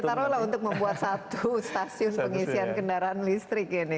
ya taruh lah untuk membuat satu stasiun pengisian kendaraan listrik gini